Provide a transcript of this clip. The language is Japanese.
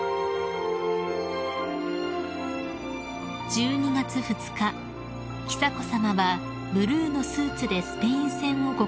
［１２月２日久子さまはブルーのスーツでスペイン戦をご観戦］